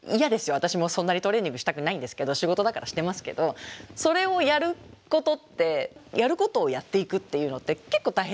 私もそんなにトレーニングしたくないんですけど仕事だからしてますけどそれをやることってやることをやっていくっていうのって結構大変じゃないですか。